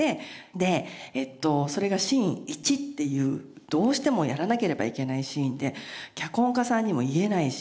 でそれがシーン１っていうどうしてもやらなければいけないシーンで脚本家さんにも言えないし